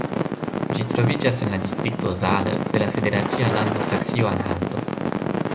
Ĝi troviĝas en la distrikto Saale de la federacia lando Saksio-Anhalto.